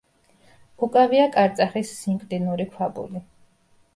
უკავია კარწახის სინკლინური ქვაბული.